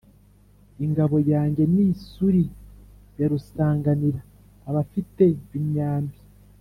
ingabo yanjye ni isuli ya rusanganira abafite imyambi